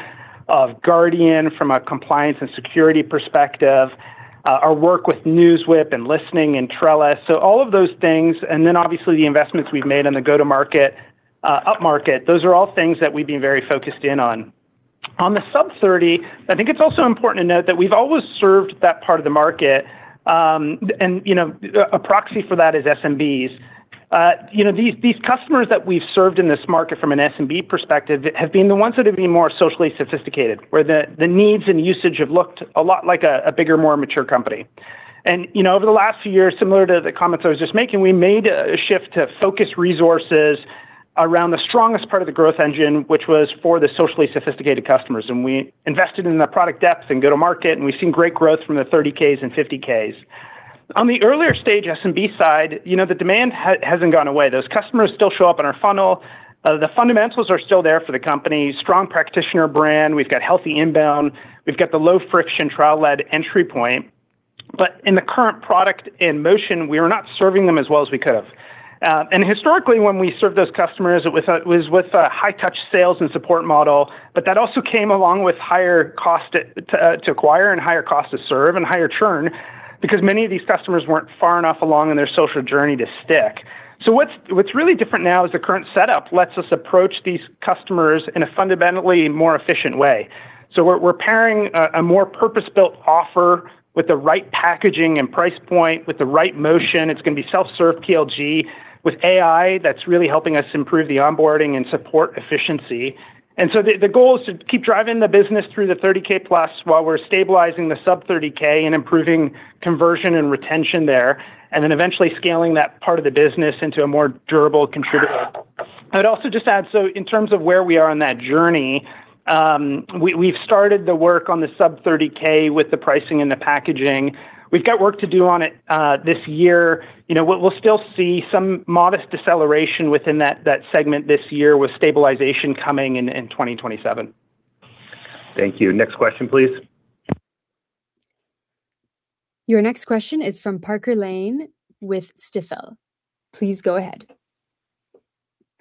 of Guardian from a compliance and security perspective, our work with NewsWhip and Listening and Trello. All of those things, and then obviously the investments we've made on the go-to-market, upmarket, those are all things that we've been very focused in on. On the sub 30, I think it's also important to note that we've always served that part of the market, and, you know, a proxy for that is SMBs. You know, these customers that we've served in this market from an SMB perspective have been the ones that have been more socially sophisticated, where the needs and usage have looked a lot like a bigger, more mature company. You know, over the last few years, similar to the comments I was just making, we made a shift to focus resources around the strongest part of the growth engine, which was for the socially sophisticated customers. We invested in the product depth and go-to-market, and we've seen great growth from the 30 Ks and 50 Ks. On the earlier stage SMB side, you know, the demand hasn't gone away. Those customers still show up in our funnel. The fundamentals are still there for the company. Strong practitioner brand. We've got healthy inbound. We've got the low friction trial-led entry point. In the current product in motion, we are not serving them as well as we could have. Historically, when we served those customers, it was with a high touch sales and support model, but that also came along with higher cost to acquire and higher cost to serve and higher churn because many of these customers weren't far enough along in their social journey to stick. What's really different now is the current setup lets us approach these customers in a fundamentally more efficient way. We're pairing a more purpose-built offer with the right packaging and price point, with the right motion. It's gonna be self-serve TLG with AI that's really helping us improve the onboarding and support efficiency. The goal is to keep driving the business through the 30K+ while we're stabilizing the sub 30K and improving conversion and retention there, and then eventually scaling that part of the business into a more durable contributor. I'd also just add, so in terms of where we are on that journey, we've started the work on the sub 30K with the pricing and the packaging. We've got work to do on it this year. You know, we'll still see some modest deceleration within that segment this year with stabilization coming in in 2027. Thank you. Next question, please. Your next question is from Parker Lane with Stifel. Please go ahead.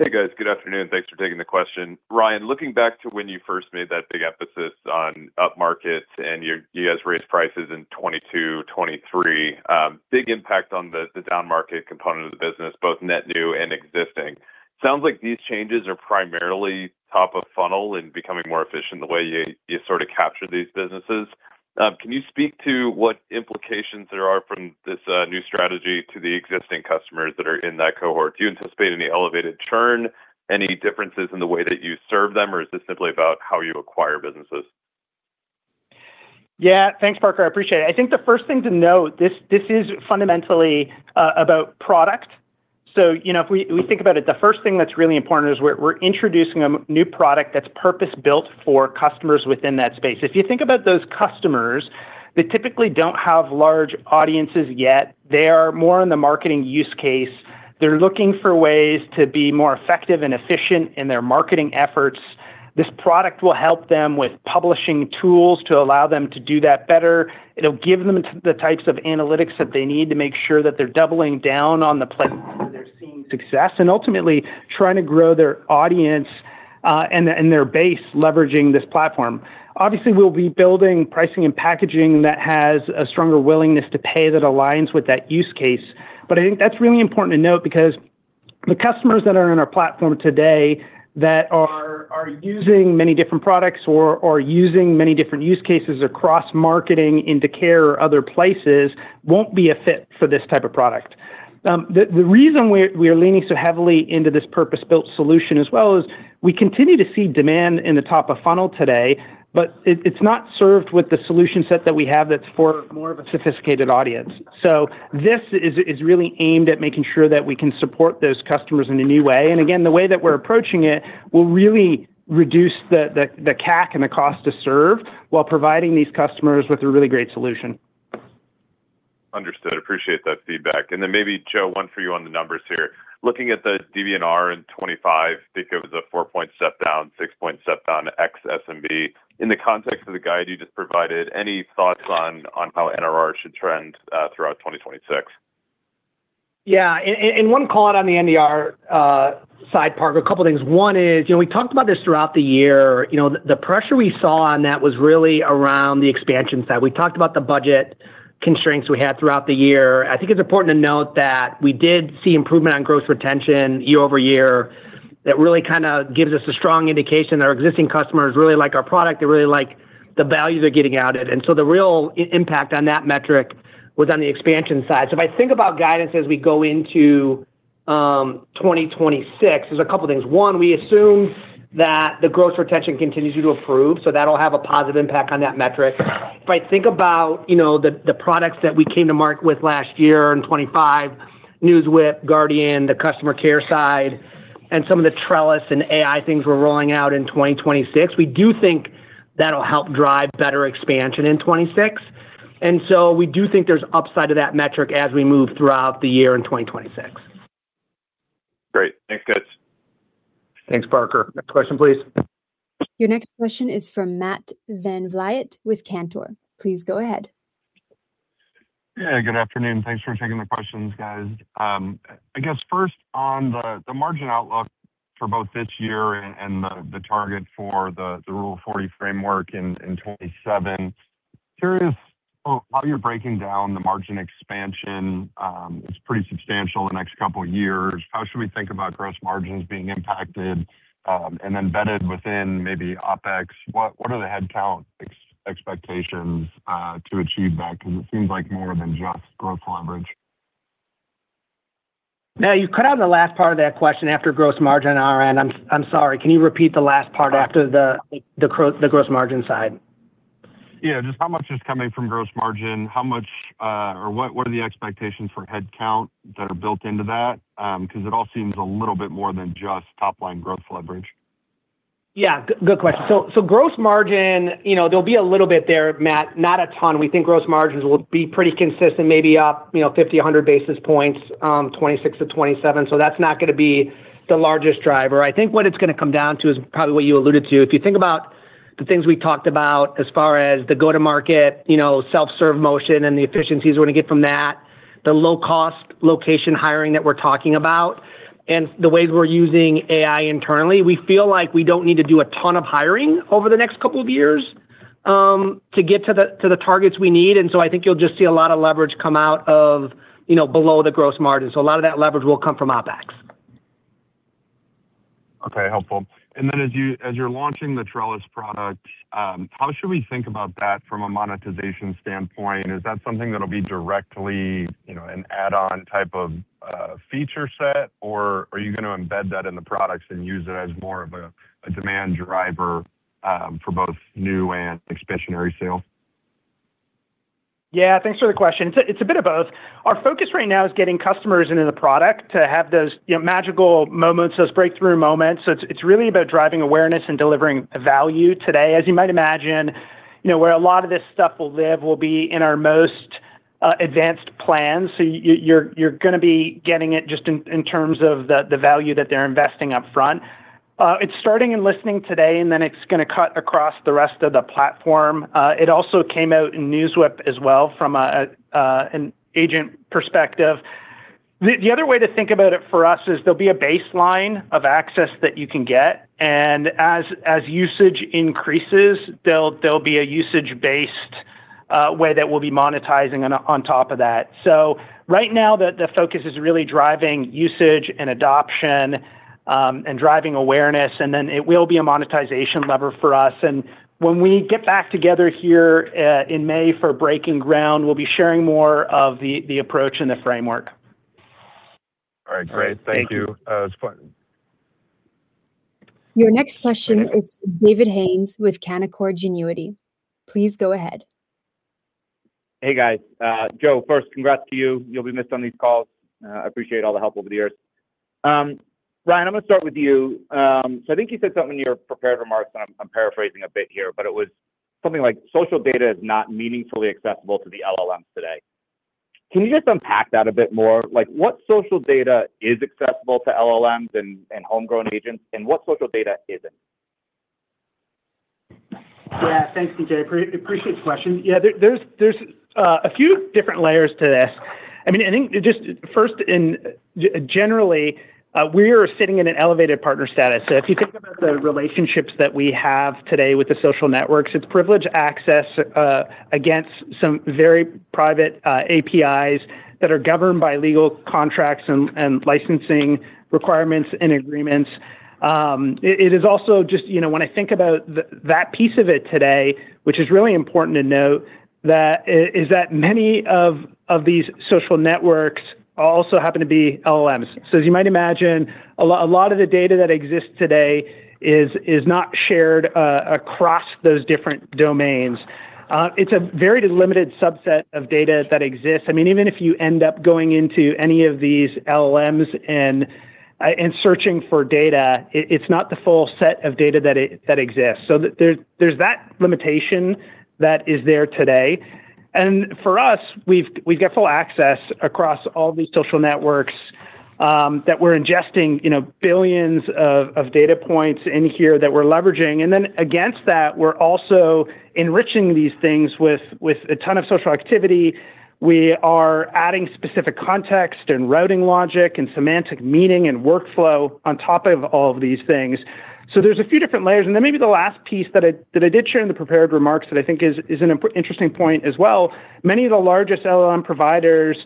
Hey, guys. Good afternoon. Thanks for taking the question. Ryan, looking back to when you first made that big emphasis on upmarket and you guys raised prices in 2022, 2023, big impact on the downmarket component of the business, both net new and existing. Sounds like these changes are primarily top of funnel and becoming more efficient the way you sort of capture these businesses. Can you speak to what implications there are from this new strategy to the existing customers that are in that cohort? Do you anticipate any elevated churn, any differences in the way that you serve them, or is this simply about how you acquire businesses? Thanks, Parker. I appreciate it. I think the first thing to note, this is fundamentally about product. You know, if we think about it, the first thing that's really important is we're introducing a new product that's purpose-built for customers within that space. If you think about those customers, they typically don't have large audiences yet. They are more in the marketing use case. They're looking for ways to be more effective and efficient in their marketing efforts. This product will help them with publishing tools to allow them to do that better. It'll give them the types of analytics that they need to make sure that they're doubling down on the platforms where they're seeing success, and ultimately trying to grow their audience, and their base, leveraging this platform. Obviously, we'll be building pricing and packaging that has a stronger willingness to pay that aligns with that use case. I think that's really important to note because the customers that are on our platform today that are using many different products or using many different use cases across marketing into care or other places, won't be a fit for this type of product. The reason we are leaning so heavily into this purpose-built solution as well is, we continue to see demand in the top of funnel today, but it's not served with the solution set that we have that's for more of a sophisticated audience. This is really aimed at making sure that we can support those customers in a new way. Again, the way that we're approaching it will really reduce the CAC and the cost to serve, while providing these customers with a really great solution. Understood. Appreciate that feedback. Maybe, Joe, one for you on the numbers here. Looking at the DVR in 25, I think it was a 4-point step down, 6-point step down ex SMB. In the context of the guide you just provided, any thoughts on how NRR should trend throughout 2026? Yeah. One call out on the NDR side, Parker, a couple of things. One is, you know, we talked about this throughout the year. You know, the pressure we saw on that was really around the expansion side. We talked about the budget constraints we had throughout the year. I think it's important to note that we did see improvement on gross retention year-over-year. That really kind of gives us a strong indication that our existing customers really like our product. They really like the value they're getting out of it. The real impact on that metric was on the expansion side. If I think about guidance as we go into 2026, there's a couple of things. One, we assume that the gross retention continues to improve, that'll have a positive impact on that metric. If I think about, you know, the products that we came to market with last year in 2025, NewsWhip, Guardian, the customer care side, and some of the Trellis and AI things we're rolling out in 2026, we do think that'll help drive better expansion in 2026. We do think there's upside to that metric as we move throughout the year in 2026. Great. Thanks, guys. Thanks, Parker. Next question, please. Your next question is from Matt VanVliet with Cantor. Please go ahead. Yeah, good afternoon. Thanks for taking the questions, guys. I guess first on the margin outlook for both this year and the target for the Rule of 40 framework in 2027. Curious about how you're breaking down the margin expansion, it's pretty substantial the next couple of years. How should we think about gross margins being impacted, and then embedded within maybe OpEx? What are the headcount expectations to achieve that? It seems like more than just growth leverage. Now, you cut out in the last part of that question after gross margin, I'm Ryan. I'm sorry. Can you repeat the last part after the gross margin side? Yeah. Just how much is coming from gross margin? How much, or what are the expectations for headcount that are built into that? It all seems a little bit more than just top-line growth leverage. Yeah, good question. Gross margin, you know, there'll be a little bit there, Matt, not a ton. We think gross margins will be pretty consistent, maybe up, you know, 50, 100 basis points, 26%-27%. That's not gonna be the largest driver. I think what it's gonna come down to is probably what you alluded to. If you think about the things we talked about as far as the go-to-market, you know, Self-Serve Motion and the efficiencies we're gonna get from that, the low-cost location hiring that we're talking about, and the ways we're using AI internally, we feel like we don't need to do a ton of hiring over the next couple of years to get to the targets we need. I think you'll just see a lot of leverage come out of, you know, below the gross margin. A lot of that leverage will come from OpEx. Okay, helpful. As you're launching the Trellis product, how should we think about that from a monetization standpoint? Is that something that'll be directly, you know, an add-on type of, feature set, or are you gonna embed that in the products and use it as more of a demand driver, for both new and expansionary sales? Yeah, thanks for the question. It's a bit of both. Our focus right now is getting customers into the product to have those, you know, magical moments, those breakthrough moments. It's really about driving awareness and delivering value today. As you might imagine, you know, where a lot of this stuff will live will be in our most advanced plans. You're gonna be getting it just in terms of the value that they're investing up front. It's starting in listening today, and then it's gonna cut across the rest of the platform. It also came out in NewsWhip as well from an agent perspective. The other way to think about it for us is there'll be a baseline of access that you can get, and as usage increases, there'll be a usage-based way that we'll be monetizing on top of that. Right now the focus is really driving usage and adoption and driving awareness, and then it will be a monetization lever for us. When we get back together here in May for Breaking Ground, we'll be sharing more of the approach and the framework. All right. Great. Thank you. It was fun. Your next question is David Hynes with Canaccord Genuity. Please go ahead. Hey, guys. Joe DelPreto, first congrats to you. You'll be missed on these calls. I appreciate all the help over the years. Ryan Barretto, I'm gonna start with you. I think you said something in your prepared remarks, and I'm paraphrasing a bit here, but it was something like social data is not meaningfully accessible to the LLMs today. Can you just unpack that a bit more? Like, what social data is accessible to LLMs and homegrown agents, and what social data isn't? Yeah. Thanks, DJ. Appreciate the question. Yeah. There's a few different layers to this. I mean, I think just first in generally, we're sitting in an elevated partner status. If you think about the relationships that we have today with the social networks, it's privileged access against some very private APIs that are governed by legal contracts and licensing requirements and agreements. It is also just, you know, when I think about that piece of it today, which is really important to note that is that many of these social networks also happen to be LLMs. As you might imagine, a lot of the data that exists today is not shared across those different domains. It's a very limited subset of data that exists. I mean, even if you end up going into any of these LLMs and searching for data, it's not the full set of data that exists. There's that limitation that is there today. For us, we've got full access across all these social networks that we're ingesting, you know, billions of data points in here that we're leveraging. Then against that, we're also enriching these things with a ton of social activity. We are adding specific context and routing logic and semantic meaning and workflow on top of all of these things. There's a few different layers. Then maybe the last piece that I did share in the prepared remarks that I think is an interesting point as well. Many of the largest LLM providers,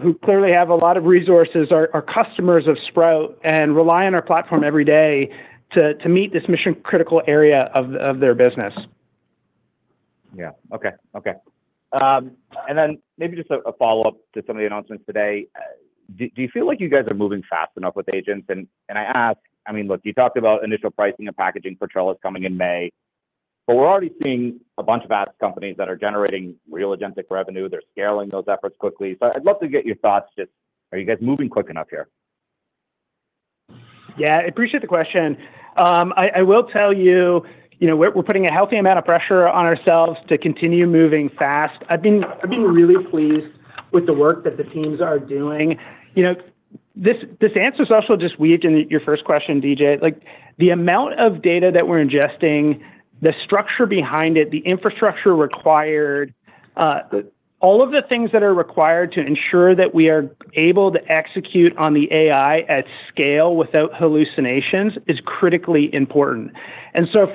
who clearly have a lot of resources are customers of Sprout and rely on our platform every day to meet this mission-critical area of their business. Yeah. Okay. Okay. Then maybe just a follow-up to some of the announcements today. Do you feel like you guys are moving fast enough with agents? I ask, you talked about initial pricing and packaging for Trellis coming in May. We're already seeing a bunch of ads companies that are generating real agentic revenue. They're scaling those efforts quickly. I'd love to get your thoughts. Are you guys moving quick enough here? Yeah, appreciate the question. I will tell you know, we're putting a healthy amount of pressure on ourselves to continue moving fast. I've been really pleased with the work that the teams are doing. You know, this answer is also just weaved into your first question, DJ. Like the amount of data that we're ingesting, the structure behind it, the infrastructure required, all of the things that are required to ensure that we are able to execute on the AI at scale without hallucinations is critically important.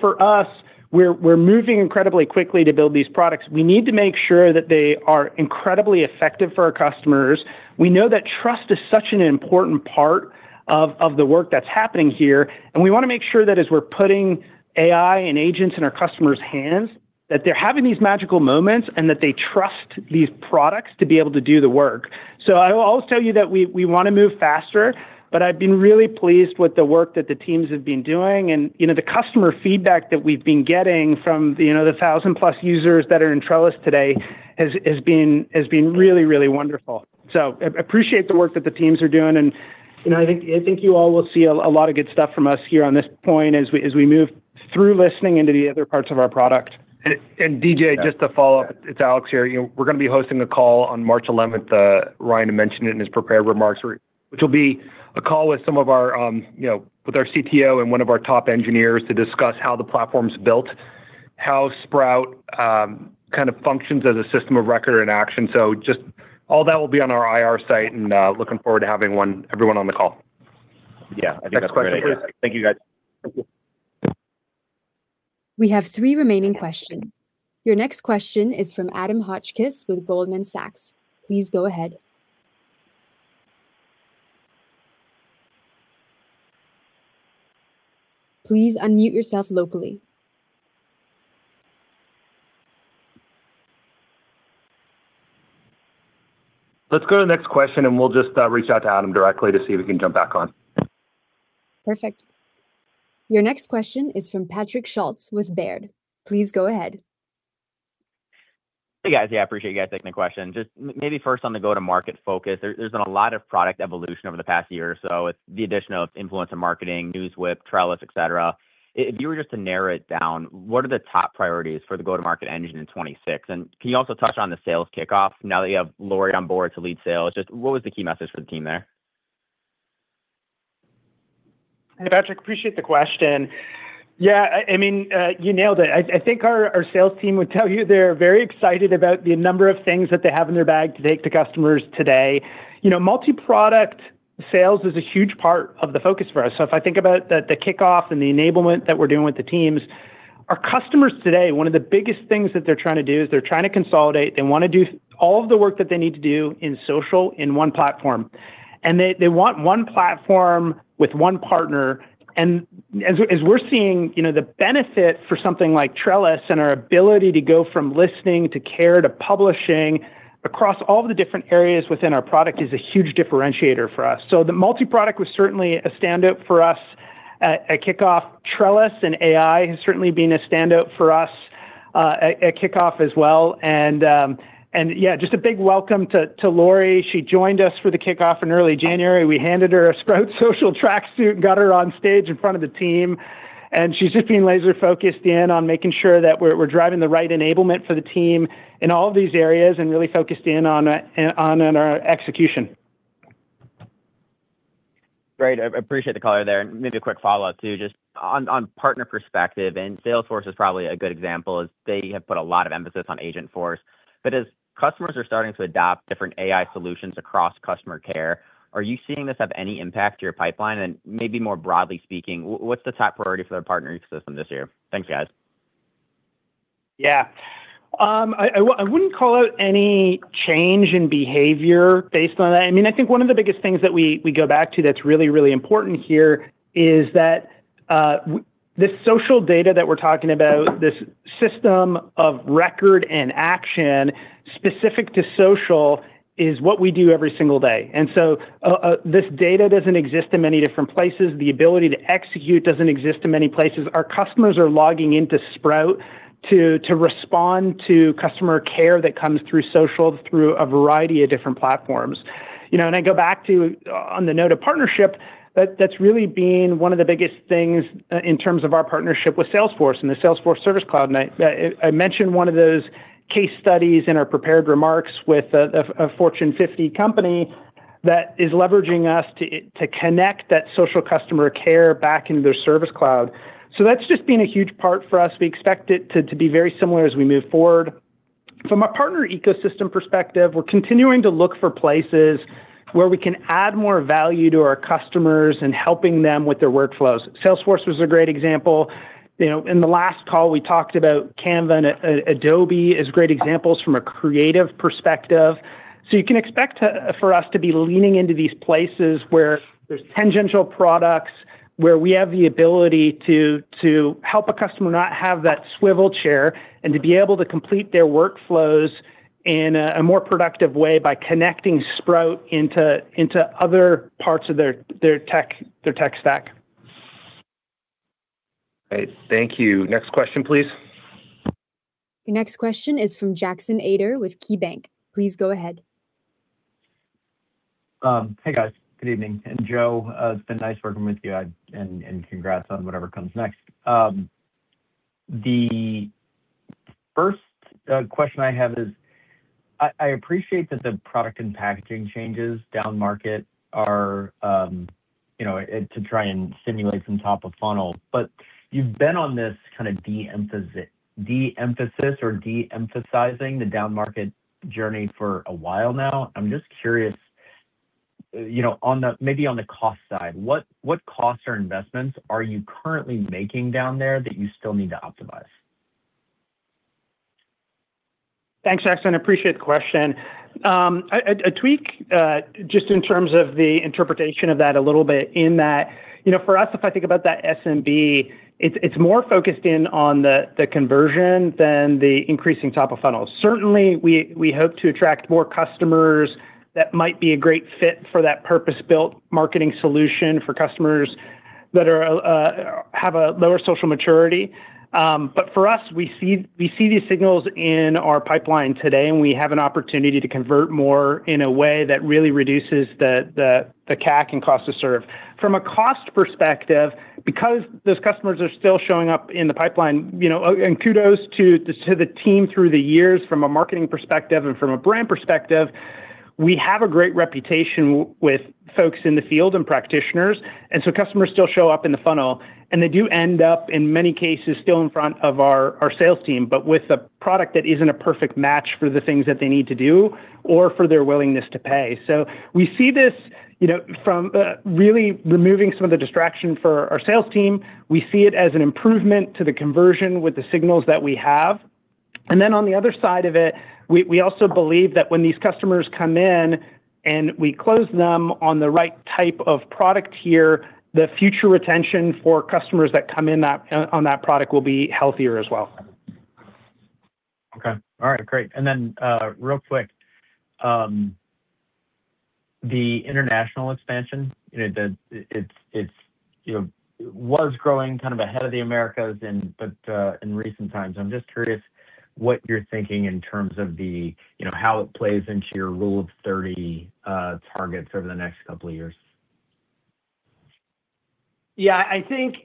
For us, we're moving incredibly quickly to build these products. We need to make sure that they are incredibly effective for our customers. We know that trust is such an important part of the work that's happening here, and we wanna make sure that as we're putting AI and agents in our customers' hands, that they're having these magical moments and that they trust these products to be able to do the work. I'll tell you that we wanna move faster, but I've been really pleased with the work that the teams have been doing. you know, the customer feedback that we've been getting from, you know, the 1,000-plus users that are in Trellis today has been really, really wonderful. appreciate the work that the teams are doing. you know, I think you all will see a lot of good stuff from us here on this point as we move through listening into the other parts of our product. DJ, just to follow up, it's Alex here. You know, we're gonna be hosting a call on March 11th, Ryan Barretto had mentioned it in his prepared remarks, which will be a call with some of our, you know, with our CTO and one of our top engineers to discuss how the platform's built, how Sprout Social kind of functions as a system of record and action. Just all that will be on our IR site, and looking forward to having everyone on the call. Yeah. I think that's great. Thank you, guys. Thank you. We have 3 remaining questions. Your next question is from Adam Hotchkiss with Goldman Sachs. Please go ahead. Please unmute yourself locally. Let's go to the next question, and we'll just reach out to Adam directly to see if he can jump back on. Perfect. Your next question is from Patrick Schulz with Baird. Please go ahead. Hey, guys. Yeah, appreciate you guys taking the question. Just maybe first on the go-to-market focus. There's been a lot of product evolution over the past year or so with the addition of influencer marketing, NewsWhip, Trellis, et cetera. If you were just to narrow it down, what are the top priorities for the go-to-market engine in 2026? Can you also touch on the sales kickoff now that you have Lori on board to lead sales? Just what was the key message for the team there? Hi, Patrick. Appreciate the question. Yeah, I mean, you nailed it. I think our sales team would tell you they're very excited about the number of things that they have in their bag to take to customers today. You know, multi-product sales is a huge part of the focus for us. If I think about the kickoff and the enablement that we're doing with the teams, our customers today, one of the biggest things that they're trying to do is they're trying to consolidate. They wanna do all of the work that they need to do in social, in one platform. They want one platform with one partner. As we're seeing, you know, the benefit for something like Trellis and our ability to go from listening, to care, to publishing across all the different areas within our product is a huge differentiator for us. The multi-product was certainly a standout for us at kickoff. Trellis and AI has certainly been a standout for us at kickoff as well. Just a big welcome to Lori. She joined us for the kickoff in early January. We handed her a Sprout Social tracksuit and got her on stage in front of the team, and she's just been laser-focused in on making sure that we're driving the right enablement for the team in all of these areas and really focused in on our execution. Great. I appreciate the color there. Maybe a quick follow-up, too, just on partner perspective, and Salesforce is probably a good example, as they have put a lot of emphasis on Agentforce. As customers are starting to adopt different AI solutions across customer care, are you seeing this have any impact to your pipeline? Maybe more broadly speaking, what's the top priority for the partner ecosystem this year? Thanks, guys. Yeah. I wouldn't call out any change in behavior based on that. I mean, I think one of the biggest things that we go back to that's really important here is that this social data that we're talking about, this system of record and action specific to social, is what we do every single day. This data doesn't exist in many different places. The ability to execute doesn't exist in many places. Our customers are logging into Sprout to respond to customer care that comes through social, through a variety of different platforms. You know, I go back to, on the note of partnership, that's really been one of the biggest things in terms of our partnership with Salesforce and the Salesforce Service Cloud. I mentioned one of those case studies in our prepared remarks with a Fortune 50 company that is leveraging us to connect that social customer care back into their service cloud. That's just been a huge part for us. We expect it to be very similar as we move forward. From a partner ecosystem perspective, we're continuing to look for places where we can add more value to our customers and helping them with their workflows. Salesforce was a great example. You know, in the last call, we talked about Canva and Adobe as great examples from a creative perspective. You can expect for us to be leaning into these places where there's tangential products, where we have the ability to help a customer not have that swivel chair, and to be able to complete their workflows in a more productive way by connecting Sprout into other parts of their tech stack. Great. Thank you. Next question, please. Your next question is from Jackson Ader with KeyBank. Please go ahead. Hey, guys. Good evening. Joe, it's been nice working with you and congrats on whatever comes next. The first question I have is, I appreciate that the product and packaging changes down-market are, you know, to try and stimulate some top-of-funnel, but you've been on this kinda de-emphasizing the down-market journey for a while now. I'm just curious, you know, on the, maybe on the cost side, what costs or investments are you currently making down there that you still need to optimize? Thanks, Jackson. I appreciate the question. A tweak just in terms of the interpretation of that a little bit, in that, you know, for us, if I think about that SMB, it's more focused in on the conversion than the increasing top of funnel. Certainly, we hope to attract more customers that might be a great fit for that purpose-built marketing solution for customers that are have a lower social maturity. For us, we see these signals in our pipeline today, and we have an opportunity to convert more in a way that really reduces the CAC and cost to serve. From a cost perspective, because those customers are still showing up in the pipeline, you know. Kudos to the team through the years from a marketing perspective and from a brand perspective, we have a great reputation with folks in the field and practitioners. Customers still show up in the funnel, and they do end up, in many cases, still in front of our sales team, but with a product that isn't a perfect match for the things that they need to do or for their willingness to pay. We see this, you know, from really removing some of the distraction for our sales team. We see it as an improvement to the conversion with the signals that we have. On the other side of it, we also believe that when these customers come in and we close them on the right type of product tier, the future retention for customers that come in that on that product will be healthier as well. Okay. All right, great. real quick, the international expansion, you know, it's, you know, was growing kind of ahead of the Americas and but in recent times. I'm just curious what you're thinking in terms of the, you know, how it plays into your Rule of thirty targets over the next couple of years. I think,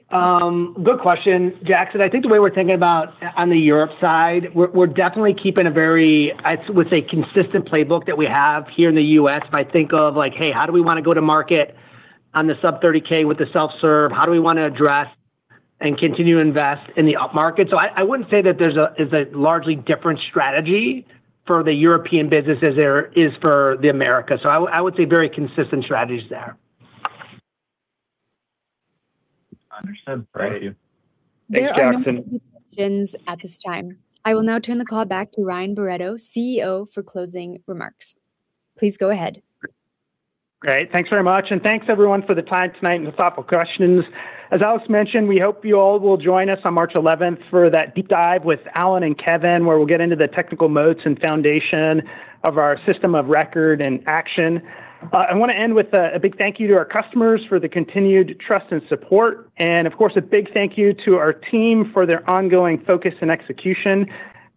good question, Jackson. I think the way we're thinking about on the Europe side, we're definitely keeping a very, I would say, consistent playbook that we have here in the U.S. If I think of, like, hey, how do we want to go to market on the sub $30K with the self-serve? How do we want to address and continue to invest in the upmarket? I wouldn't say that there's a largely different strategy for the European business as there is for the Americas. I would say very consistent strategies there. Understood. Thank you. There are no further questions. Thanks, Jackson.... at this time. I will now turn the call back to Ryan Barretto, CEO, for closing remarks. Please go ahead. Great. Thanks very much, thanks, everyone, for the time tonight and the thoughtful questions. As Alex Kurtz mentioned, we hope you all will join us on March eleventh for that deep dive with Alan Boyce and Kevin Stanton, where we'll get into the technical moats and foundation of our system of record and action. I wanna end with a big thank you to our customers for the continued trust and support. Of course, a big thank you to our team for their ongoing focus and execution.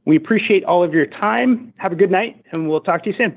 We appreciate all of your time. Have a good night, and we'll talk to you soon.